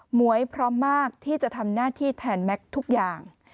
หวยพร้อมมากที่จะทำหน้าที่แทนแม็กซ์ทุกอย่าง